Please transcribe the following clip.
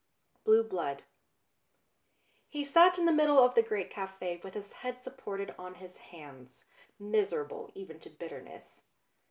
BLUE BLOOD HE sat in the middle of the great cafe with his head supported on his hands, miserable even to bitterness.